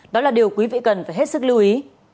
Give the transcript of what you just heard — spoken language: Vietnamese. đó là điều quý vị cần phải hết sức lưu ý